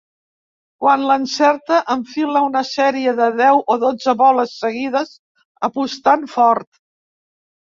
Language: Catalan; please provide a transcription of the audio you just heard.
Quan l'encerta enfila una sèrie de deu o dotze boles seguides apostant fort.